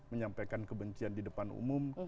menyampaikan kebencian di depan umum